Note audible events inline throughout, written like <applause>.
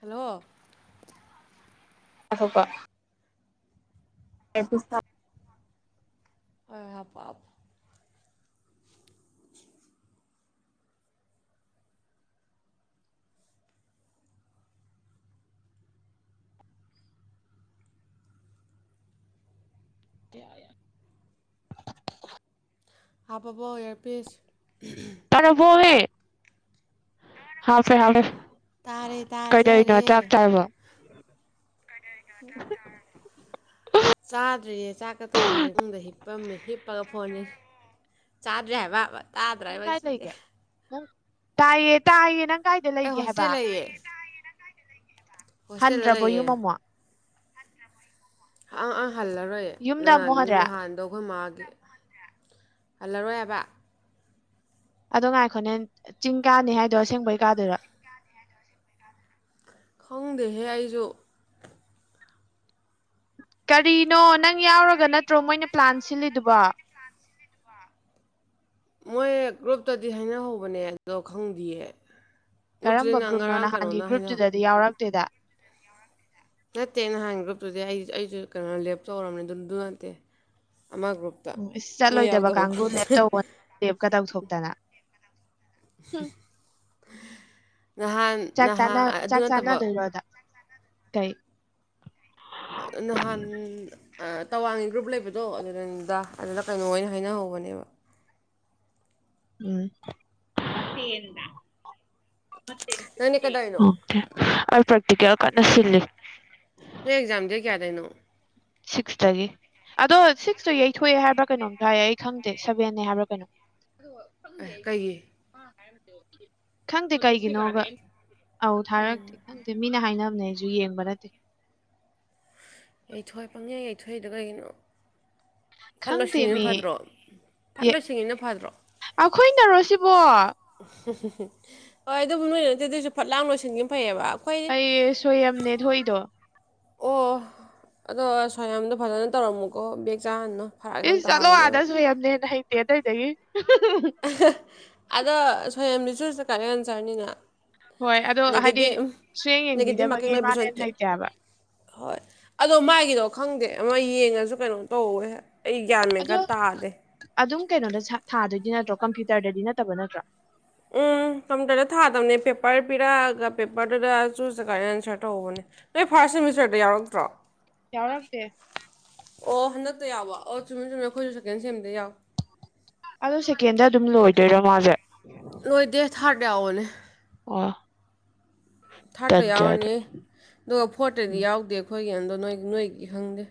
Hello ꯉꯥꯏꯈ‌ꯣꯀ‌ꯣ pass <unintelligible> ꯀꯔꯤ ꯍꯥꯢꯕ ꯀꯔ <unintelligible> ꯍꯥꯞꯄꯕꯣ ꯏꯌꯥꯔꯄꯤꯁ ꯇꯔꯕꯣꯋꯦ ꯍꯥꯞꯄꯦ ꯍꯥꯞꯄꯦ ꯇꯥꯔꯦ ꯀꯩꯗꯧꯔꯤꯅꯣ ꯆꯥꯛ ꯇꯥꯖꯔꯦ ꯆꯥꯔꯕꯣ ꯆꯥꯗ꯭ꯔꯤꯌꯦ ꯆꯥꯛꯀ ꯊꯣꯡꯗ꯭ꯔꯦ ꯐꯃꯨꯡꯗ ꯍꯤꯞꯄꯝꯃꯦ ꯍꯤꯞꯄꯒ ꯐꯣꯟ ꯌꯦꯡꯉꯝꯃꯤꯅꯦ ꯆꯥꯗ꯭ꯔꯦ ꯍꯥꯏꯕ ꯅꯪ ꯍꯥꯏꯕ ꯀꯥꯏ ꯁꯤꯁꯦ ꯂꯩꯒꯦ ꯅꯪ ꯇꯥꯏꯌꯦ ꯇꯥꯏꯌꯦ ꯅꯪ ꯀꯥꯏꯗ ꯑꯩ ꯂꯩꯒꯦ ꯍꯥꯏꯕ ꯍꯣꯁꯇꯦꯜ ꯂꯩꯌꯦ ꯍꯣꯁꯇꯦꯜꯗ ꯍꯟꯗ꯭ꯔꯕꯣ ꯂꯩꯌꯦ ꯌꯨꯝ ꯑꯃꯨꯛ ꯑꯪ ꯑꯪ ꯍꯜꯂꯔꯣꯏ ꯅ ꯌꯨꯝꯗ ꯑꯃꯨꯛ ꯍꯟꯗ꯭ꯔꯦ ꯅꯍꯥꯟꯗꯣ ꯑꯩꯈꯣꯏ ꯃꯥꯒꯤ ꯍꯜꯂꯔꯣꯏ ꯍꯥꯏꯕ ꯑꯗꯣ ꯉꯥꯏꯈꯣꯅꯦ ꯆꯤꯡ ꯀꯥꯅꯦ ꯍꯥꯏꯗꯣ ꯑꯁꯦꯡꯕꯩ ꯀꯥꯗꯨꯏꯔꯥ ꯈꯪꯗꯦꯍꯦ ꯑꯩꯁꯨ ꯀꯔꯤꯅꯣ ꯅꯪ ꯌꯥꯎꯔꯒ ꯅꯠꯇ꯭ꯔꯣ ꯃꯣꯏꯅ ꯄ꯭ꯂꯥꯟ ꯁꯤꯜꯂꯤꯗꯨꯕꯨ ꯃꯣꯏ ꯒ꯭ꯔꯨꯞꯇꯗꯤ ꯍꯥꯏꯅꯍꯧꯕꯅꯦ ꯑꯗꯣ ꯈꯪꯗꯤꯌꯦ ꯒ꯭ꯔꯨꯞꯇꯨꯗꯤ ꯀꯔꯝꯕ ꯅꯍꯥꯟ ꯒ꯭ꯔꯨꯞꯅꯣ ꯉꯔꯥꯡ ꯅꯍꯥꯟꯒꯤ ꯀꯩꯅꯣꯅ ꯍꯥꯏꯅ ꯒ꯭ꯔꯨꯞꯇꯨꯗꯗꯤ ꯌꯥꯎꯔꯛꯇꯦꯗ ꯅꯠꯇꯦ ꯅꯍꯥꯟ ꯒ꯭ꯔꯨꯞꯇꯨꯗꯤ ꯑꯩ ꯑꯩꯁꯨ ꯀꯩꯅꯣ ꯂꯦꯞꯇꯧꯔꯕꯅꯤ ꯑꯗꯨꯗꯨ ꯅꯠꯇꯦ ꯑꯃ ꯒ꯭ꯔꯨꯞ ꯎꯝ ꯏꯁ ꯆꯠꯂꯣꯏꯗꯕ ꯀꯥꯡꯒꯨ ꯂꯦꯞꯇꯧ ꯂꯦꯞꯀ ꯇꯧꯊꯣꯛꯇꯅ ꯍꯨꯝ ꯅꯍꯥꯟ ꯆꯥꯛ ꯅꯍꯥꯟ ꯆꯥꯅ ꯑꯗꯨ ꯅꯠꯇꯕ ꯆꯥꯅꯗꯣꯏꯔꯣ ꯅꯪ ꯀꯩ ꯅꯍꯥꯟ ꯑꯥ ꯇꯋꯥꯡꯒꯤ ꯒ꯭ꯔꯨꯞ ꯂꯩꯕꯗꯣ ꯑꯗꯨꯗꯅꯤꯗ ꯑꯗꯨꯗ ꯀꯩꯅꯣ ꯑꯣꯏꯅ ꯍꯥꯏꯅꯍꯧꯕꯅꯦꯕ ꯎꯝ <unintelligible> ꯅꯪꯗꯤ ꯀꯩꯗꯧꯔꯤꯅꯣ ꯑꯣꯀꯦ ꯑꯩ ꯄ꯭ꯔꯦꯛꯇꯤꯀꯦꯜ ꯀꯟꯅ ꯁꯤꯜꯂꯤ ꯅꯣꯏ ꯑꯦꯛꯖꯥꯝ ꯗꯦꯠ ꯀꯌꯥꯗꯩꯅꯣ ꯁꯤꯛꯇꯒꯤ ꯑꯗꯣ ꯁꯤꯛꯁꯇꯨ ꯌꯩꯊꯣꯛꯑꯦ ꯍꯥꯏꯕ꯭ꯔꯥ ꯀꯩꯅꯣꯝꯖꯨ ꯍꯥꯏꯌꯦ ꯑꯩ ꯈꯪꯗꯦ ꯁꯥꯕꯦꯟꯅꯦ ꯍꯥꯏꯕ꯭ꯔꯥ ꯀꯩꯅꯣ ꯑꯦ ꯈꯪꯗꯦ ꯑꯩ ꯀꯩꯒꯤ ꯃꯥ ꯍꯥꯏꯔꯝꯃꯤꯗꯣ <unintelligible> ꯈꯪꯗꯦ ꯀꯩꯒꯤꯅꯣ ꯍꯥꯏꯕ ꯑꯧ ꯊꯥꯔꯛꯇꯦ ꯈꯪꯗꯦ ꯃꯤꯅ ꯍꯥꯏꯅꯕꯅꯦ ꯑꯩꯁꯨ ꯌꯦꯡꯕ ꯅꯠꯇꯦ ꯌꯩꯊꯣꯛ ꯄꯪꯌꯩ ꯌꯩꯊꯣꯛꯏꯗꯣ ꯀꯩꯒꯤꯅꯣ ꯐꯠ ꯈꯪꯗꯦ ꯂꯣꯏꯁꯤꯡꯒꯤꯕꯅ ꯃꯤ ꯐꯗ꯭ꯔꯣ ꯐꯠ ꯂꯣꯏꯁꯤꯡꯒꯤꯕꯅ ꯐꯗ꯭ꯔꯣ ꯑꯩꯈꯣꯏꯅꯔꯣ ꯁꯤꯕꯣ <unintelligible> ꯍꯣꯏ ꯑꯗꯨꯕꯨ ꯅꯣꯏꯅꯗꯤ ꯅꯠꯇꯦ ꯑꯗꯨꯑꯣꯢꯔꯁꯨ ꯐꯠ ꯂꯥꯎ ꯂꯥꯏꯁꯤꯟꯒꯤ ꯐꯩꯌꯦꯕ ꯐꯩꯌꯦ ꯁꯣꯏꯌꯥꯝ <unintelligible> ꯊꯣꯛꯢꯗꯣ ꯑꯣ ꯑꯗꯣ ꯁꯣꯌꯝꯗꯣ ꯐꯖꯅ ꯇꯧꯔꯝꯃꯨꯀꯣ ꯕꯦꯛ ꯆꯥꯍꯟꯅꯨ ꯐꯔꯛ ꯌꯥꯝ ꯏꯁ ꯆꯠꯂꯣ ꯑꯗ ꯇꯥꯕꯅꯦꯕ ꯁꯣꯌꯥꯝꯅ ꯍꯦꯟ ꯍꯩꯇꯦ ꯑꯇꯩꯗꯒꯤ ꯑꯗꯣ ꯁꯣꯌꯥꯝꯒꯤꯁꯨ ꯆꯨꯁ ꯗꯥ ꯀꯔꯦꯛ ꯑꯟꯁꯔꯅꯤꯅ ꯍꯣꯏ ꯑꯗꯣ ꯍꯥꯏꯗꯤ ꯅꯦꯒꯦꯇꯤꯞ ꯁꯨꯌꯦꯡ ꯅꯦꯒꯦꯇꯤꯞ ꯃꯥꯔꯀꯤꯡ ꯌꯦꯡꯕꯤꯗꯕꯒꯤ ꯃꯥꯅ ꯂꯩꯕꯁꯨ ꯍꯦꯟꯅ ꯅꯠꯇꯦ ꯍꯩꯇꯦ ꯍꯥꯏꯕ ꯍꯣꯏ ꯑꯗꯣ ꯃꯥꯒꯤꯗꯣ ꯈꯪꯗꯦ ꯑꯃ ꯌꯦꯡꯉꯁꯨ ꯀꯩꯅꯣ ꯇꯧꯋꯦ ꯍꯦꯛ ꯑꯗꯣ ꯑꯗꯨꯝ ꯀꯩꯅꯣꯗ ꯊꯥꯗꯣꯏꯗꯤ ꯅꯠꯇ꯭ꯔꯣ ꯀꯝꯄ꯭ꯌꯨꯇꯔꯗꯗꯤ ꯅꯠꯇꯕ ꯅꯠꯇ꯭ꯔꯣ ꯎꯝ ꯀꯝꯄ꯭ꯌꯨꯇꯔꯗ ꯊꯥꯗꯕꯅꯦ ꯄꯦꯄꯔ ꯄꯤꯔꯛꯑꯒ ꯄꯦꯄꯔꯗꯨꯗ ꯆꯨꯁ ꯗꯥ ꯀꯔꯦꯛ ꯑꯟꯁꯔ ꯇꯧꯕꯅꯦ ꯅꯣꯏ ꯐꯥꯔꯁ ꯁꯦꯃꯤꯁꯇꯔꯗ ꯌꯥꯎꯔꯛꯇ꯭ꯔꯣ ꯌꯥꯎꯔꯛꯇꯦ ꯑꯣ ꯍꯟꯗꯛꯇ ꯌꯥꯎꯕ ꯑꯣ ꯆꯨꯝꯃꯦ ꯆꯨꯝꯃꯦ ꯑꯩꯈꯣꯏꯁꯨ ꯁꯦꯀꯦꯟ ꯁꯦꯝꯗ ꯌꯥꯎ ꯑꯗꯧ ꯁꯦꯀꯦꯟꯗ ꯑꯗꯨꯝ ꯂꯣꯏꯗꯣꯏꯔꯣ ꯃꯥꯁꯦ ꯂꯣꯏꯗꯦ ꯊꯥꯔꯗ ꯌꯥꯎꯕꯅꯦ ꯑꯣ ꯊꯥꯔꯠꯇ ꯇꯟꯖꯥꯗ ꯌꯥꯎꯔꯅꯤ ꯑꯗꯨꯒ ꯐꯣꯔꯠꯇꯗꯤ ꯎꯝ ꯌꯥꯎꯗꯦ ꯑꯩꯈꯣꯏꯒꯤ ꯑꯗꯣ ꯅꯣꯏ ꯅꯣꯏꯗꯤ ꯈꯪꯗꯦ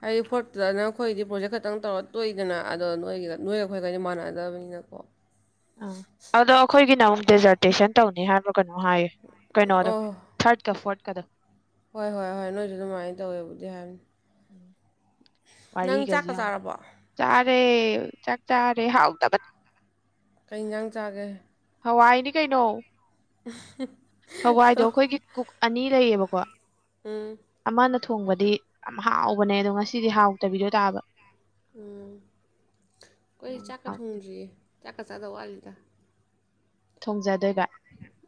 ꯍꯥꯏꯗꯤ ꯐꯣꯔꯠꯇ ꯅ ꯑꯩꯈꯣꯏꯗꯤ ꯄ꯭ꯔꯣꯖꯦꯛ ꯈꯛꯇꯪ ꯇꯧꯔ ꯇꯣꯛꯏꯗꯅ ꯑꯗꯣ ꯅꯣꯏꯒ ꯅꯣꯏꯒ ꯑꯩꯈꯣꯏꯒꯗꯤ ꯃꯥꯟꯅꯗꯕꯅꯤꯅꯀꯣ ꯑꯗꯣ ꯑꯩꯈꯣꯏꯒꯤꯅ ꯑꯃꯨꯛ ꯗꯦꯖꯔꯇꯦꯁꯟ ꯇꯧꯅꯤ ꯍꯥꯏꯕ꯭ꯔ ꯀꯅꯣ ꯍꯥꯏꯌꯦ ꯀꯩꯅꯣꯗꯣ ꯑꯣ ꯊꯥꯔꯠ ꯀ ꯐꯣꯔꯠꯀꯗ ꯍꯣꯏ ꯍꯣꯏ ꯍꯣꯏ ꯅꯣꯏꯗꯨꯅ ꯑꯗꯨꯃꯥꯏꯅ ꯇꯧꯋꯦꯕꯨꯗꯤ ꯍꯥꯏꯕꯅꯤ ꯅꯪ ꯋꯥꯔꯤꯒꯁꯤ ꯆꯥꯛꯀ ꯌꯦꯡꯎ ꯆꯥꯔꯕꯣ ꯆꯥꯔꯦ ꯆꯥꯛ ꯆꯥꯔꯦ ꯍꯥꯎꯇꯕ ꯀꯩ ꯏꯟꯖꯥꯡ ꯆꯥꯒꯦ ꯍꯋꯥꯏꯅꯤ ꯀꯩꯅꯣ <unintelligible> ꯍꯋꯥꯏꯗꯣ ꯑꯈꯣꯏꯒꯤ ꯀꯨꯛ ꯑꯅꯤ ꯂꯩꯌꯦꯕꯀꯣ ꯎꯝ ꯑꯃꯅ ꯊꯣꯡꯕꯗꯤ ꯌꯥꯝ ꯍꯥꯎꯕꯅꯦ ꯑꯗꯣ ꯉꯁꯤꯗꯤ ꯍꯥꯎꯇꯕꯤꯗꯨ ꯇꯥꯕ <unintelligible> ꯈꯣꯏ ꯌꯥꯝ ꯆꯥꯛꯀ ꯍꯥꯎꯇꯦ ꯊꯣꯡꯗ꯭ꯔꯤꯌꯦ ꯆꯥꯛꯀ ꯆꯥꯗꯧ ꯋꯥꯠꯂꯤꯗ ꯊꯣꯡꯖꯗꯣꯏꯕ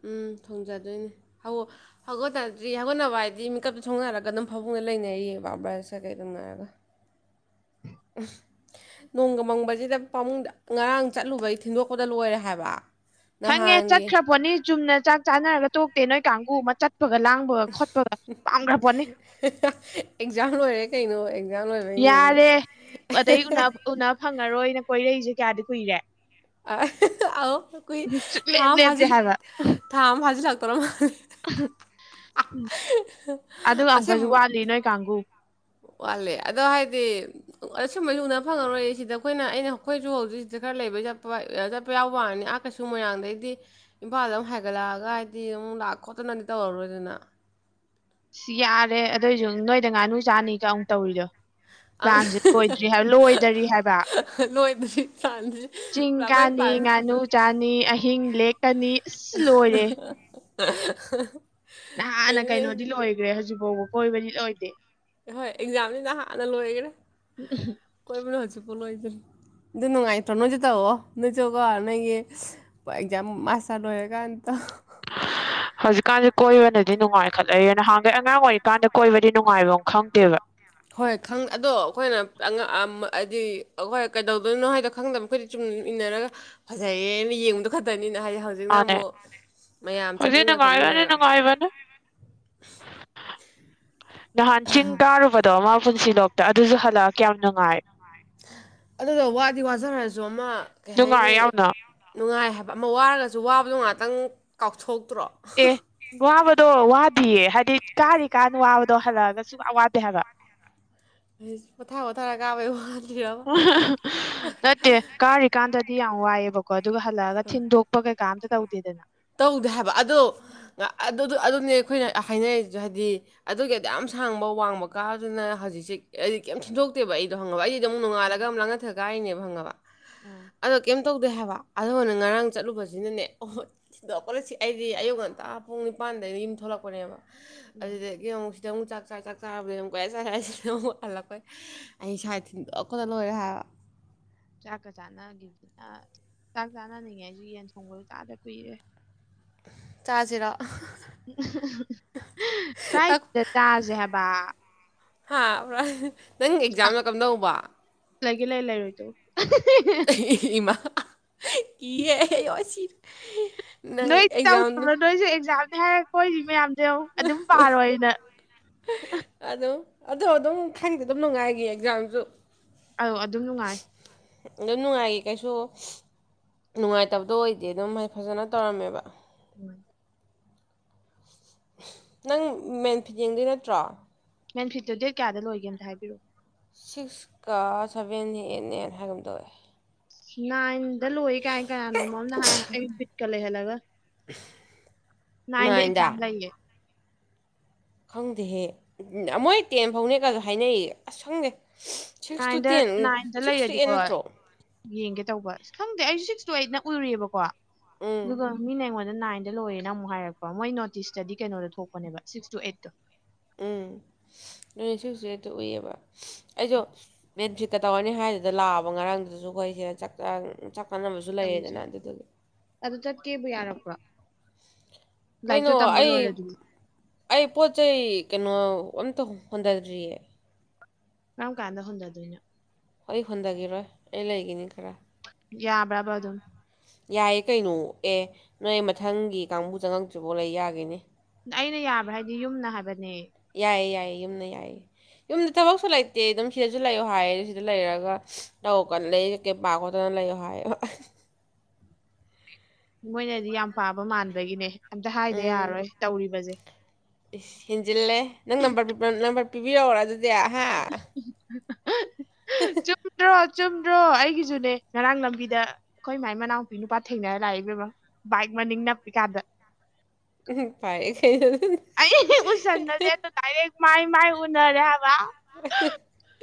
ꯎꯝ ꯊꯣꯡꯖꯗꯣꯏꯅꯦ <unintelligible> ꯍꯧꯒꯠ <unintelligible> ꯍꯧꯒꯠꯅꯕ ꯍꯥꯏꯗꯤ ꯃꯤꯀꯞꯇꯣ ꯊꯣꯡꯅꯔꯒ ꯑꯗꯨꯝ ꯐꯃꯨꯡꯅ ꯂꯩꯅꯔꯤꯌꯦ ꯕꯥ ꯕ꯭ꯔꯁ ꯀꯀꯩ ꯇꯧꯅꯔꯒ <unintelligible> ꯅꯣꯡꯒ ꯃꯪꯕꯁꯤꯗ ꯐꯃꯨꯡꯗ ꯉꯔꯥꯡ ꯆꯠꯂꯨꯕꯩ ꯊꯤꯟꯗꯣꯛꯄꯗ ꯂꯣꯏꯔꯦ ꯍꯥꯏꯕ ꯈꯪꯉꯦ ꯅꯍꯥꯟꯒꯤ ꯆꯠꯈ꯭ꯔꯄꯣꯠꯅꯤ ꯆꯨꯝꯅ ꯆꯥꯛ ꯆꯥꯅꯔꯒ ꯇꯣꯛꯇꯦ ꯅꯣꯏ ꯀꯥꯡꯒꯨ ꯑꯃ ꯆꯠꯄꯒ ꯂꯥꯡꯕ <unintelligible> ꯈꯣꯠꯄꯒ ꯄꯥꯝꯒ꯭ꯔ ꯄꯣꯠꯅꯤ꯫ <unintelligible> ꯑꯦꯛꯖꯥꯝ ꯂꯣꯏꯔꯦ ꯀꯩꯅꯣ ꯂꯣꯏꯕꯩꯅꯤꯅꯦ ꯌꯥꯔꯦ ꯑꯗꯩ ꯎꯅ ꯎꯅ ꯐꯪꯉꯔꯣꯏꯅ ꯀꯣꯏꯔꯛꯏꯁꯦ ꯀ꯭ꯌꯥꯗꯤ ꯀꯨꯏꯔꯦ <unintelligible> ꯑꯧ ꯀꯨꯏ ꯊꯥ ꯁꯨꯛꯂꯦꯞ ꯑꯃ ꯂꯦꯞꯇꯦ ꯐꯖꯤꯜ ꯍꯥꯏꯕ ꯊꯥ ꯑꯃ ꯐꯥꯖꯤꯜꯂꯛꯇꯧꯔ ꯃꯥꯜꯂꯦ <unintelligible> ꯑꯗꯨꯒ ꯑꯃꯨꯛꯀꯖꯨ ꯋꯥꯠꯂꯤ ꯅꯣꯏ ꯀꯥꯡꯕꯨ ꯋꯥꯠꯂꯤ ꯑꯗꯣ ꯍꯥꯏꯗꯤ ꯑꯁꯨꯝꯕꯩꯖꯨ ꯎꯅ ꯐꯪꯉꯔꯣꯏ ꯁꯤꯗ ꯑꯩꯈꯣꯏꯅ ꯑꯩꯅ ꯑꯩꯈꯣꯏꯖꯨ ꯍꯧꯖꯤꯛ ꯁꯤꯗ ꯈꯔ ꯂꯩꯕꯩ ꯆꯠꯄ ꯑꯥ ꯆꯠꯄ ꯌꯥꯎꯕ ꯋꯥꯅꯤ ꯑ ꯀꯁꯨ ꯃꯣꯏꯔꯥꯡꯗꯩꯗꯤ ꯏꯝꯐꯥꯜꯗ ꯑꯃꯨꯛ ꯍꯥꯏꯒꯠꯂꯛꯑꯒ ꯍꯥꯏꯗꯤ ꯑꯃꯨꯛ ꯂꯥꯛ ꯈꯣꯠꯇꯅꯗꯤ ꯇꯧꯔꯔꯣꯏꯗꯅ <unintelligible> ꯌꯥꯔꯦ ꯑꯗꯣꯏꯁꯨ ꯅꯣꯏꯗ ꯉꯥꯅꯨ ꯆꯥꯅꯤꯒ ꯑꯃꯨꯛ ꯇꯧꯔꯤꯗꯨ ꯑꯪ ꯄ꯭ꯂꯥꯟꯖꯦ ꯂꯣꯏꯗ꯭ꯔꯤ ꯍꯥꯏ ꯂꯣꯏꯗꯔꯤ ꯍꯥꯏꯕ꯫ ꯂꯣꯏꯗ꯭ꯔꯤ ꯄ꯭ꯂꯥꯟꯁꯦ <inaudible> ꯆꯤꯡ ꯄꯨꯔꯥ ꯑꯩꯈꯣꯏ ꯀꯥꯅꯤ ꯄ꯭ꯂꯥꯟ ꯉꯥꯅꯨ ꯆꯥꯅꯤ ꯑꯍꯤꯡ ꯂꯦꯛ ꯀꯅꯤ ꯑꯁ ꯂꯣꯏꯔꯦ꯫ <unintelligible> ꯅꯍꯥꯟꯅ ꯀꯩꯅꯣꯅꯦ ꯀꯩꯅꯣꯗꯤ ꯂꯣꯏꯒ꯭ꯔꯦ ꯍꯧꯖꯤꯛꯐꯥꯎꯕ ꯀꯣꯏꯕꯗꯤ ꯂꯣꯏꯗꯦ꯫ ꯍꯣꯏ ꯑꯦꯛꯖꯥꯝꯗꯤ ꯅꯍꯥꯟꯅ ꯂꯣꯏꯒꯔꯦ ꯀꯣꯏꯕꯅ ꯍꯧꯖꯤꯛꯐꯥꯎ ꯂꯣꯏꯗ꯭ꯔꯤ꯫ ꯑꯗꯨ ꯅꯨꯡꯉꯥꯏꯇ꯭ꯔꯣ ꯅꯣꯏꯖꯨ ꯇꯧꯋꯣ ꯅꯣꯏꯁꯨꯀꯣ ꯅꯣꯏꯒꯤ <unintelligible> ꯑꯦꯛꯖꯥꯝ ꯃꯁꯇꯔ ꯂꯣꯢꯔꯒꯥꯟ ꯇꯧ꯫ ꯍꯧꯖꯤꯛꯀꯥꯟꯖꯦ ꯀꯣꯏꯕꯅꯗꯤ ꯅꯨꯡꯉꯥꯏꯈꯠꯂꯛꯏꯌꯦ ꯅꯍꯥꯟꯒꯩ ꯑꯉꯥꯡ ꯑꯣꯏꯔꯤꯀꯥꯟꯗ ꯀꯣꯏꯕꯗꯤ ꯅꯨꯡꯉꯥꯏꯕꯝ ꯈꯪꯗꯦꯕ ꯍꯣꯏ ꯈꯪ ꯑꯗꯣ ꯑꯈꯣꯏꯅ ꯑꯉꯥꯡ ꯑ ꯍꯥꯏꯗꯤ ꯑꯈꯣꯏꯅ ꯀꯩꯗꯧꯗꯣꯏꯅꯣ ꯍꯥꯏꯗꯣ ꯈꯪꯗꯕ ꯑꯈꯣꯢ ꯁꯨꯨꯝ ꯏꯟꯅꯔꯒ ꯐꯖꯩꯌꯦ ꯃꯤ ꯌꯦꯡꯕꯗꯣ ꯈꯛꯇꯅꯤꯅ ꯍꯥꯏꯗꯤ ꯍꯧꯖꯤ <unintelligible> ꯃꯥꯅꯦ ꯑꯃꯨꯛ ꯍꯥꯢꯗꯝꯃꯌꯥꯝ ꯍꯧꯖꯤꯛ ꯆꯠꯃꯤꯟꯅ ꯈꯣꯠꯃꯤꯟꯅ ꯅꯨꯡꯉꯥꯏꯕꯅꯦ ꯅꯨꯡꯉꯥꯏꯕꯅꯦ ꯅꯍꯥꯟ ꯆꯤꯡ ꯀꯥꯔꯨꯕꯗꯣ ꯃꯥ ꯄꯨꯟꯁꯤ ꯂꯣꯛꯇ ꯑꯗꯨꯁꯨ ꯍꯜꯂꯛꯑ ꯀ꯭ꯌꯥꯝ ꯅꯨꯡꯉꯥꯏ꯫ ꯑꯗꯨꯅ ꯋꯥꯗꯤ ꯋꯥꯖꯔꯁꯨ ꯑꯃ ꯀꯩ ꯅꯨꯡꯉꯥꯏ ꯍꯥꯏꯅꯤ ꯌꯥꯝꯅ ꯅꯨꯡꯉꯥꯏ ꯍꯥꯏꯕ ꯑꯃ ꯋꯥꯔꯒꯁꯨ ꯋꯥꯕꯗꯣ ꯉꯥꯛꯇꯪ ꯀꯥꯎꯊꯣꯛꯇ꯭ꯔꯣ ꯑꯦ ꯋꯥꯕꯗꯣ ꯋꯥꯗꯤꯌꯦ ꯍꯥꯏꯗꯤ ꯀꯥꯔꯤ ꯀꯥꯟꯅ ꯋꯥꯕꯗꯣ ꯍꯜꯂꯛꯑꯒ ꯁꯨꯋꯥ ꯋꯥꯗꯦ ꯍꯥꯏꯕ ꯑꯩ ꯄꯣꯊꯥ ꯄꯣꯊꯥꯔꯒ ꯀꯥꯕꯩ ꯋꯥ ꯅꯠꯇꯦ ꯀꯥꯔꯤꯀꯥꯟꯗꯗꯤ ꯌꯥꯝ ꯋꯥꯏꯑꯦꯕꯀꯣ ꯑꯗꯨꯒ ꯍꯜꯂꯛꯑꯒ ꯊꯤꯟꯗꯣꯛ ꯄ ꯀꯩꯀꯥ ꯑꯝꯇ ꯇꯧꯗꯦꯗꯅ ꯇꯧꯗꯦ ꯍꯥꯏꯕ ꯑꯗꯣ ꯑꯗꯣ ꯗꯣ ꯅꯦꯕ ꯑꯩꯈꯣꯏꯅ ꯍꯥꯏꯅꯔꯤꯁꯨ ꯍꯥꯏꯗꯤ ꯑꯗꯨꯒꯤ ꯑꯗꯨꯌꯥꯝ ꯁꯥꯡꯕ ꯋꯥꯡꯕ ꯀꯥꯗꯨꯅ ꯍꯧꯖꯤꯛꯁꯦ ꯍꯥꯏꯗꯤ ꯀꯩꯝ ꯊꯤꯟꯗꯣꯛꯇꯦꯕ ꯑꯩꯗꯣ ꯍꯪꯉꯕ ꯑꯩ ꯑꯃꯨꯛ ꯅꯣꯡꯉꯥꯜꯂꯒ ꯎꯝ ꯑꯃ ꯂꯥꯡꯉꯊꯦꯜ ꯀꯥꯏꯔꯤꯅꯦꯕ ꯍꯪꯉꯕ ꯎꯝ ꯑꯗꯣ ꯀꯩꯝ ꯇꯧ ꯗꯦ ꯍꯥꯕ ꯑꯗꯨꯉꯅꯦ ꯉꯔꯥꯡ ꯆꯠꯂꯨꯕꯁꯤꯅꯅꯦ ꯑꯍꯣꯏ ꯊꯤꯟꯗꯣꯛꯄꯗ ꯁꯤ ꯑꯩꯗꯤ ꯑꯌꯨꯛ ꯉꯟꯇꯥ ꯄꯨꯡ ꯅꯤꯄꯥꯟꯗꯩꯅ ꯌꯨꯝ ꯊꯣꯛꯂꯛꯄꯅꯦꯕ ꯎꯝ ꯑꯗꯨꯗꯒꯤ ꯑꯃꯨꯛ ꯁꯤ ꯑꯃꯨꯛ ꯆꯥꯛ ꯆꯥ ꯆꯥꯛ ꯑꯁꯤꯗ ꯑꯃꯨꯛ ꯍꯂꯛꯄꯩ ꯑꯩ ꯏꯁꯥꯁ‌ꯦ ꯊꯤꯟꯗꯣꯛꯄꯗ ꯂꯣꯏꯔꯦ ꯍꯥꯏꯕ ꯆꯥꯛꯀ ꯆꯥꯅꯒꯤꯅꯤꯅ ꯆꯥꯛ ꯆꯥꯅꯅꯤꯡꯉꯦꯁꯨ ꯌꯦꯟ ꯊꯣꯡꯕꯁꯨ ꯆꯥꯗ ꯀꯨꯏꯔꯦ ꯆꯥꯖꯤꯔꯣ <unintelligible> ꯍꯥ ꯅꯪ ꯑꯦꯛꯖꯥꯝꯅ ꯀꯝꯗꯧꯕ ꯂꯩꯒꯦ ꯂꯩꯌꯨ ꯂꯩꯔꯣꯏ ꯇꯣꯛꯎ ꯑꯦ ꯏꯃꯥ ꯀꯤꯌꯦ ꯑꯌꯣ ꯁꯤꯔꯦ ꯅꯪ ꯅꯣꯏ ꯑꯦꯛꯖꯥꯝꯗꯣ ꯇꯧꯗꯕ꯭ꯔꯣ ꯅꯣꯏꯁꯨ ꯑꯦꯛꯖꯥꯝꯗꯤ ꯍꯥꯏꯔ ꯀꯣꯏꯔꯤ ꯃꯌꯥꯝꯗ ꯑꯗꯨꯝ ꯄꯥꯔꯣꯏꯅ ꯑꯗꯨꯝ ꯑꯗꯣ ꯑꯗꯨꯝ ꯈꯪꯗꯤ ꯑꯗꯨꯝ ꯅꯨꯡꯉꯥꯏꯈꯤ ꯑꯦꯛꯖꯥꯝꯁꯨ ꯑꯧ ꯑꯗꯨꯝ ꯅꯨꯡꯉꯥꯏ ꯑꯗꯨꯝ ꯅꯨꯡꯉꯥꯏꯌꯦ ꯀꯩꯁꯨ ꯅꯨꯡꯉꯥꯏꯇꯕꯗꯣ ꯑꯣꯏꯗꯦ ꯑꯗꯨꯝ ꯑꯩ ꯐꯖꯅ ꯇꯧꯔꯝꯃꯦꯕ ꯎꯝ ꯅꯪ ꯃꯦꯟ ꯐꯤꯖꯦꯡꯗꯩ ꯅꯠꯇ꯭ꯔꯣ ꯃꯦꯟ ꯐꯤꯞꯇꯨ ꯗꯦꯠꯌꯥꯗ ꯂꯣꯏꯒꯦꯅꯝ ꯍꯥꯏꯕꯤꯛꯑꯣ ꯁꯤꯛꯁꯀ ꯁꯚꯦꯟ ꯑꯩꯠꯅꯦꯅ ꯍꯥꯏꯒ ꯑꯃ ꯇꯧꯋꯦ ꯅꯥꯏꯟꯗ ꯂꯣꯏꯏ ꯀꯥꯏ ꯀꯌꯥꯅꯣ ꯃꯣꯝꯅ ꯍꯥꯏ ꯑꯩ ꯕꯤꯠꯀ ꯂꯩꯍꯜꯂꯒ <inaudible> ꯅꯏꯟꯗ ꯅꯥꯏꯟꯗ ꯑꯦꯛꯖꯥꯝ ꯂ ꯂꯩꯌꯦ ꯈꯪꯗꯦꯍꯦ ꯃꯣꯏ ꯇꯦꯟ ꯐꯥꯎꯅꯦꯒꯁꯨ ꯍꯥꯏꯅꯩ ꯑꯁ ꯈꯪꯗꯦ ꯁꯤꯛꯁ ꯇꯨ ꯅꯥꯏꯟꯗ ꯇꯦꯟ ꯅꯥꯏꯟꯗ ꯁꯤꯛꯁ ꯇꯨ ꯑꯦꯠ ꯂꯩꯔꯗꯤꯀꯣ ꯅꯠꯇ꯭ꯔꯣ ꯌꯦꯡꯒꯦ ꯇꯧꯕ ꯈꯪꯗꯦ ꯑꯩꯁꯨ ꯁꯤꯛꯁꯇꯣ ꯑꯩꯠꯅ ꯎꯔꯤꯑꯕꯀꯣ ꯎꯝ ꯑꯗꯨꯒ ꯃꯤꯅ ꯑꯩꯉꯣꯟꯗ ꯅꯥꯏꯟꯗ ꯂꯣꯏꯔꯦꯅ ꯑꯃꯨꯛ ꯍꯥꯏꯔꯛꯄ ꯃꯣꯏ ꯅꯣꯇꯤꯁꯇꯗꯤ ꯀꯩꯅꯣꯗꯣ ꯊꯣꯛꯄꯅꯦꯕ ꯁꯤꯛꯁ ꯇꯨ ꯑꯩꯠꯇꯣ ꯎꯝ <inaudible> <unintelligible> ꯑꯩꯁꯨ ꯃꯦꯠ ꯐꯤꯠꯀ ꯇꯧꯔꯅꯤ ꯍꯥꯏꯗꯨꯗ ꯂꯥꯛꯑꯕ ꯉꯔꯥꯡꯗꯨꯗꯁꯨ ꯑꯩꯈꯣꯏꯁꯤꯅ ꯀꯥꯟꯅꯕꯁꯨ ꯇꯧꯔꯤꯁꯦ ꯂꯩꯌꯦꯗꯅ ꯑꯗꯨꯗꯨꯗꯤ ꯑꯗꯨ ꯆ ꯀꯦꯕ ꯌꯥꯔꯕ꯭ꯔꯣ ꯀꯩꯅꯣ ꯑꯩ ꯂꯣꯏꯔꯗꯨꯕꯨ ꯑꯩ ꯄꯣꯠ ꯆꯩ ꯀꯩꯅꯣ ꯑꯝꯇ ꯍꯣꯟꯊꯗ꯭ꯔꯤꯌꯦ ꯀꯔꯝ ꯀꯥꯟꯗ ꯍꯨꯟꯖꯗꯣꯏꯅꯣ ꯍꯣꯏ ꯍꯣꯟꯟꯗꯒꯤꯦꯔꯣ ꯑꯦ ꯂꯩꯒꯅꯤ ꯈꯔꯥ ꯌꯥꯕ꯭ꯔꯥꯕ ꯑꯗꯨꯝ ꯌꯥꯏꯌꯦ ꯀꯩꯅꯣ ꯑꯦ ꯅꯣꯏ ꯃꯊꯪꯒꯤ ꯀꯥꯡꯕꯨ ꯆꯪꯉꯛꯇ꯭ꯔꯤꯐꯥꯎ ꯂꯩ ꯌꯥꯒꯅꯤ ꯑꯩꯅ ꯌꯥꯕ꯭ꯔꯥ ꯍꯥꯏꯗꯤ ꯌꯨꯝꯅ ꯍꯥꯏꯕꯅꯦ ꯌꯥꯏ ꯌꯥꯏ ꯌꯨꯝꯅ ꯌꯥꯏ ꯌꯨꯝꯗ ꯊꯕꯛꯁꯨ ꯂꯩꯇꯦ ꯑꯗꯨꯝ ꯁꯤꯗꯁꯨ ꯂꯩꯌꯑꯣ ꯍꯥꯏꯌꯦ ꯁꯤꯗ ꯂꯩꯔꯒ ꯇꯧꯀꯥꯟ ꯂꯩ ꯀꯦ ꯄꯥ ꯈꯣꯠꯇꯅ ꯂꯩꯌꯣ ꯍꯥꯏꯌꯣ ꯃꯣꯏꯅꯗꯤ ꯌꯥꯝ ꯄꯥꯕ ꯃꯥꯟꯕꯒꯤꯅꯦ ꯑꯝꯇ ꯍꯥꯏꯗ ꯎꯝ ꯌꯥꯔꯔꯣꯏ ꯇꯧꯔꯤꯕꯁꯦ ꯏꯁ ꯍꯦꯟꯖꯤꯜꯂꯦ ꯅꯪ ꯅꯝꯕꯔ ꯅꯝꯕꯔ ꯄꯤꯕꯤꯔꯛꯑꯣꯔ ꯑꯗꯨꯗꯤ ꯑꯍꯥ <inaudible> ꯍ ꯆꯨꯝꯗ꯭ꯔꯣ ꯆꯨꯝꯗ꯭ꯔꯣ ꯑꯩꯒꯤꯖꯨꯅꯦ ꯉꯔꯥꯡ ꯂꯝꯕꯤꯗ ꯑꯩꯈꯣꯏ ꯃꯥꯏ ꯃꯅꯥꯎꯅꯨꯄꯤ ꯅꯨꯄꯥ ꯊꯦꯡꯅꯔ ꯂꯥꯛꯏ ꯏꯕꯦꯝꯕ ꯕꯥꯏꯛ ꯃꯅꯤꯡ ꯅꯞꯄꯤ ꯀꯥꯟꯗ ꯎꯝ ꯄꯔꯦꯈꯩ ꯑꯗꯨꯅ ꯑꯩ ꯎꯁꯟꯅꯗꯦ ꯑꯗꯣ ꯗꯥꯏꯔꯦꯛ ꯃꯥꯥꯏ ꯃꯥꯥꯏ ꯎꯅꯔꯦ ꯍꯥꯏꯕ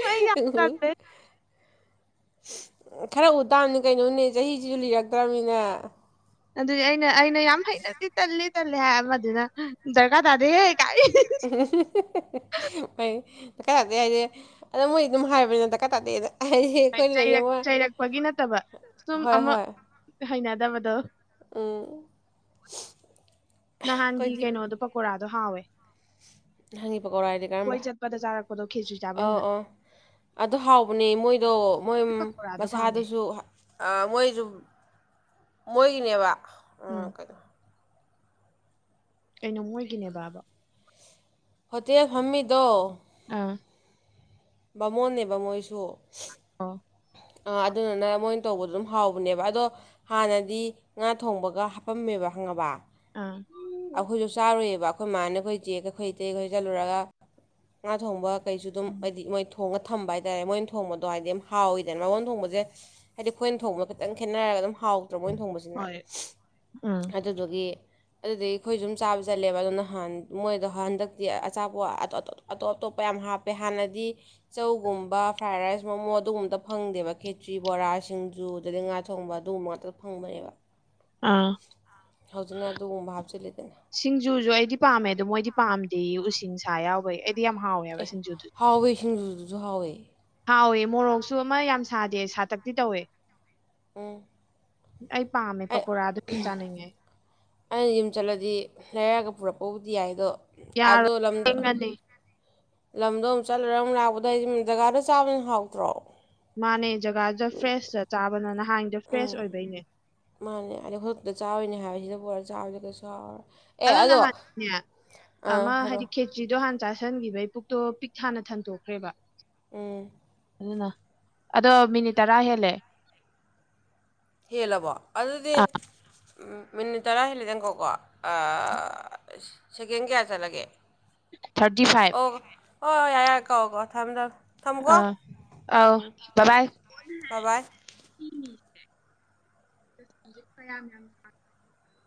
ꯑꯩ ꯌꯥꯝ ꯎꯝ ꯇꯜꯂꯦ ꯈꯔ ꯎꯇꯥꯕꯅꯤ ꯀꯩꯅꯣꯅꯦ ꯆꯍꯤꯁꯤꯁꯨ ꯂꯤꯔꯛꯇ꯭ꯔꯕꯅꯤꯅ ꯑꯗꯨꯗꯤ ꯑꯩꯅ ꯑꯩꯅ ꯌꯥꯝ ꯍꯩꯅꯗꯤ ꯇꯜꯂꯦ ꯇꯜꯂꯦ ꯍꯥꯏ ꯑꯃꯗꯨꯅ ꯗꯔꯀꯥꯔ ꯇꯥꯗꯦꯍꯦ ꯐꯩ ꯗꯀꯥ ꯇꯥꯗꯦ ꯍꯥꯏꯁꯦ ꯑꯗꯨꯝ ꯃꯣꯏ ꯑꯗꯨꯝ ꯍꯥꯏꯕꯅꯤ ꯗꯀꯥ ꯇꯥꯗꯦꯅ ꯍꯥꯏꯗꯤ ꯑꯩꯈꯣꯏꯅꯗꯤ ꯆꯩꯔꯛ ꯑꯃ ꯆꯩꯔꯛꯄꯒꯤ ꯅꯠꯇꯕ ꯁꯨꯝ ꯍꯣꯏ ꯑꯃ ꯍꯣꯏ ꯍꯩꯅꯗꯕꯗꯣ ꯎꯝ ꯅꯍꯥꯟꯒꯤ ꯑꯩꯈꯣꯏꯗꯤ ꯀꯩꯅꯣꯗꯣ ꯄꯀꯣꯔꯥꯗꯣ ꯍꯥꯎꯋꯦ ꯅꯍꯥꯟꯒꯤ ꯄꯀꯩꯔꯥꯗꯤ ꯀꯣꯏ ꯀꯔꯝꯕ ꯆꯠꯄꯗ ꯆꯥꯔꯛꯄꯗꯣ ꯈꯦꯆ꯭ꯔꯤ ꯑꯣ ꯆꯥꯐꯝꯗ ꯑꯣ ꯑꯗꯣ ꯍꯥꯎꯕꯅꯦ ꯃꯣꯏꯗꯣ ꯃꯣꯏ ꯄꯀꯣꯔꯥꯗꯣ ꯄꯥꯝꯃꯦ ꯃꯁꯥꯗꯨꯁꯨ ꯑ ꯃꯣꯏꯖꯨ ꯃꯣꯏꯒꯤꯅꯦꯕ ꯎꯝ ꯀꯩꯅꯣ ꯀꯩꯅꯣ ꯃꯣꯏꯒꯤꯅꯦꯕꯕ ꯍꯣꯇꯦꯜ ꯐꯝꯃꯤꯗꯣ ꯑꯥ ꯕꯥꯃꯣꯟꯅꯦꯕ ꯃꯣꯏꯁꯨ ꯑꯣ ꯑꯗꯨꯗꯨꯅ ꯃꯣꯏꯅ ꯇꯧꯕꯗꯣ ꯑꯗꯨꯝ ꯍꯥꯎꯕꯅꯦꯕ ꯑꯗꯣ ꯍꯥꯟꯅꯗꯤ ꯉꯥ ꯊꯣꯡꯕꯀꯒ ꯍꯥꯄꯝꯃꯦꯕ ꯈꯪꯉꯕ ꯑꯥ ꯑꯩꯈꯣꯏꯁꯨ ꯆꯥꯔꯨꯏꯌꯦꯕ ꯑꯩꯈꯣꯏ ꯃꯥꯅꯦ ꯑꯩꯈꯣꯏ ꯆꯦꯒ ꯑꯩꯈꯣꯏ ꯑꯇꯩꯍꯣꯏ ꯆꯠꯂꯨꯔꯒ ꯉꯥ ꯊꯣꯡꯕ ꯀꯩꯁꯨ ꯑꯗꯨꯝ ꯍꯥꯏꯗꯤ ꯃꯣꯏ ꯊꯣꯡꯉ ꯊꯝꯕ ꯍꯥꯏꯇꯥꯔꯦ ꯃꯣꯏꯅ ꯊꯣꯡꯕꯗꯣ ꯍꯥꯏꯗꯤ ꯍꯥꯎꯏꯤꯗꯅ ꯕꯥꯃꯣꯟ ꯊꯣꯡꯕꯖꯦ ꯍꯥꯏꯗꯤ ꯑꯩꯈꯣꯏꯅ ꯊꯣꯡꯕ ꯈꯤꯇꯪ ꯈꯦꯠꯅꯔꯒ ꯑꯗꯨꯝ ꯍꯥꯎꯗ꯭ꯔꯥ ꯃꯣꯏ ꯊꯣꯡꯕꯁꯦ ꯅ ꯎꯝ ꯑꯗꯨꯗꯨꯒꯤ ꯑꯗꯨꯗꯒꯤ ꯑꯩꯈꯣꯏꯁꯨ ꯁꯨꯝ ꯆꯥꯕ ꯆꯠꯂꯦꯕ ꯑꯗꯨ ꯅꯍꯥꯟ ꯃꯣꯏꯗꯣ ꯍꯟꯗꯛꯇꯤ ꯑꯆꯥꯄꯣꯠ ꯑꯇꯣ ꯑꯇꯣ ꯑꯇꯣ ꯑꯇꯣꯞ ꯑꯇꯣꯞꯄ ꯌꯥꯝ ꯍꯥꯞꯄꯦ ꯍꯥꯟꯅꯗꯤ ꯆꯧꯒꯨꯝꯕ ꯐ꯭ꯔꯥꯏ ꯔꯥꯏꯁ ꯃꯣꯃꯣ ꯑꯗꯨꯒꯨꯝꯕꯇ ꯐꯪꯗꯦꯕ ꯈꯦꯇ꯭ꯔꯤ ꯕꯣꯔꯥ ꯁꯤꯡꯖꯨ ꯑꯗꯨꯗꯒꯤ ꯉꯥ ꯊꯣꯡꯕ ꯑꯗꯨꯒꯨꯝꯕ ꯉꯥꯛꯇ ꯐꯪꯕꯅꯦꯕ ꯑꯥ ꯍꯧꯖꯤꯛꯅ ꯑꯗꯨꯒꯨꯝꯕ ꯍꯥꯞꯆꯤꯜꯂꯤꯗꯅ ꯁꯤꯡꯖꯨꯁꯨ ꯑꯩꯗꯤ ꯄꯥꯝꯃꯦ ꯑꯗꯣ ꯃꯣꯏꯗꯤ ꯄꯥꯝꯗꯦ ꯎꯁꯤꯡꯁ ꯌꯥꯎꯕꯩ ꯑꯩꯗꯤ ꯌꯥꯝ ꯍꯥꯎꯋꯦꯕ ꯑꯦ ꯁꯤꯡꯖꯨꯗꯨ ꯍꯥꯎꯋꯦ ꯁꯤꯡꯖꯨꯗꯨꯁꯨ ꯍꯥꯎꯋꯦ ꯍꯥꯎꯋꯦ ꯃꯣꯔꯣꯛꯁꯨ ꯑꯃ ꯌꯥꯝ ꯁꯥꯗꯦ ꯁꯥꯇꯛꯇꯤ ꯇꯧꯋꯦ ꯎꯝ ꯑꯩ ꯄꯥꯝꯃꯦ ꯑꯩ ꯄꯀꯣꯔꯥ ꯑꯗꯨ ꯁꯨꯝ ꯆꯥꯅꯤꯡꯉꯦ ꯑꯩꯅ ꯌꯨꯝ ꯆꯠꯂꯗꯤ ꯂꯩꯔꯛꯒ ꯄꯨꯔꯛꯄꯕꯨꯗꯤ ꯌꯥꯏ ꯑꯗꯣ ꯑꯗꯣ ꯌꯥꯔꯣꯏ ꯂꯝꯗꯣ ꯊꯦꯡꯉꯅꯤ ꯂꯝꯗꯣ ꯑꯃꯨ ꯆꯠꯂꯒ ꯑꯃꯨꯛ ꯂꯥꯛꯄꯗꯣ ꯑꯩꯁꯨ ꯖꯒꯥꯗꯣ ꯆꯥꯕꯅꯍꯦꯟ ꯍꯥꯎꯗ꯭ꯔꯣ ꯃꯥꯅꯦ ꯖꯒꯥꯗꯨꯗ ꯐ꯭ꯔꯦꯁꯇ ꯆꯥꯕꯅ ꯅꯍꯥꯟꯗ ꯐ꯭ꯔꯦꯁ ꯑꯣꯏꯕꯩꯅꯦ ꯃꯥꯅꯦ ꯑꯗ <unintelligible> ꯑꯗꯨ ꯅꯍꯥꯟꯅꯦ ꯑꯃ ꯍꯥꯏꯔꯛꯑꯣ ꯍꯥꯏꯗꯤ ꯆꯤꯗꯣ ꯍꯥꯟꯅ ꯆꯥꯥꯁꯟꯈꯤꯕꯩ ꯄꯨꯛꯇꯣ ꯄꯤꯛ ꯊꯥꯅ ꯊꯟꯗꯣꯛꯈ꯭ꯔꯦꯕ ꯎꯝ ꯑꯗꯨꯅ ꯑꯗꯣ ꯃꯤꯅꯤꯠ ꯇꯔꯥ ꯍꯦꯜꯂꯦ ꯍꯦꯜꯂꯕꯣ ꯑꯗꯨꯗꯤ ꯑꯥ ꯃꯤꯅꯤꯠ ꯇꯔꯥ ꯍꯦꯜꯂꯤꯗꯪꯀꯣꯀꯣ ꯑꯥ ꯁꯦꯀꯦꯟ ꯀꯌꯥ ꯆꯠꯂꯒꯦ ꯊꯥꯔꯇꯤ ꯐꯥꯏꯚ ꯑꯣ ꯍꯣꯏ ꯍꯣꯏ ꯌꯥꯏꯔꯦꯌꯥ ꯀꯣ ꯀꯣ ꯊꯝꯃꯦ ꯊꯝ ꯑꯥ ꯑꯧ ꯕꯕꯥꯏ ꯕꯥꯏ ꯕꯥꯏ <unintelligible>